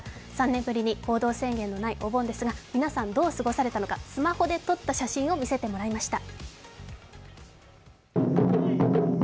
３年ぶりに行動制限のないお盆ですが、皆さん、どう過ごされたのか、スマホで撮った写真を見せてもらいました。